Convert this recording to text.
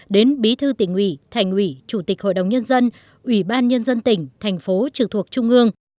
đến bí thư tỉnh ủy thành ủy chủ tịch hội đồng nhân dân ủy ban nhân dân tỉnh thành phố trực thuộc trung ương